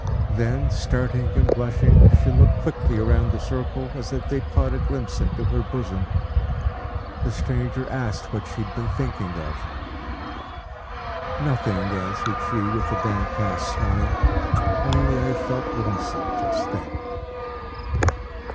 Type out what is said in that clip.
Then starting and blushing, she looked quickly round the circle, as if they had caught a glimpse into her bosom. The stranger asked what she had been thinking of. "Nothing," answered she, with a downcast smile. "Only I felt lonesome just then."